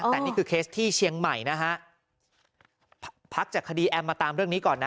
แต่นี่คือเคสที่เชียงใหม่นะฮะพักจากคดีแอมมาตามเรื่องนี้ก่อนนะ